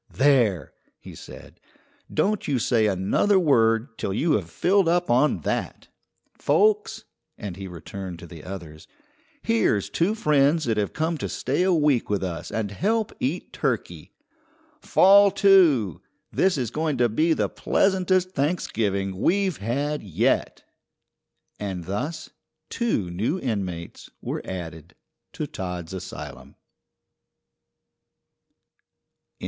"There!" he said, "don't you say another word till you have filled up on that. Folks" and he returned to the others "here's two friends that have come to stay a week with us and help eat turkey. Fall to! This is going to be the pleasantest Thanksgiving we've had yet." And thus two new inmates were added to Todd's asylum.